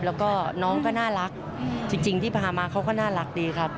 แล้วก็น้องก็น่ารักจริงที่ผ่านมาเขาก็น่ารักดีครับ